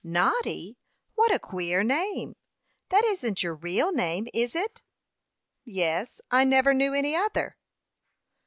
"Noddy? What a queer name! That isn't your real name is it?" "Yes, I never knew any other."